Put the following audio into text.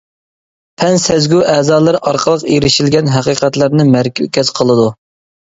پەن سەزگۈ ئەزالىرى ئارقىلىق ئېرىشىلگەن ھەقىقەتلەرنى مەركەز قىلىدۇ.